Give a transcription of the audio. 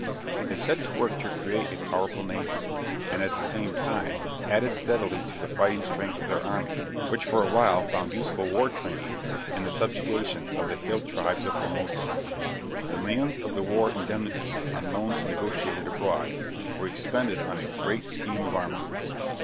They set to work to create a powerful navy, and at the same time added steadily to the fighting strength of their army, which for a while found useful war training in the subjugation of the hill tribes of Formosa. The millions of the war indemnity and loans negotiated abroad were expended on a great scheme of armaments.